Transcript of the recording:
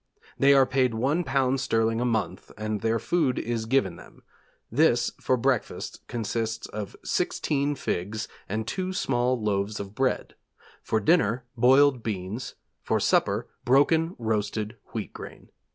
They are paid £1 sterling a month and their food is given them: this, for breakfast, consists of sixteen figs and two small loaves of bread; for dinner, boiled beans; for supper, broken roasted wheat grain.